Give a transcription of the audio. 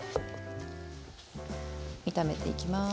炒めていきます。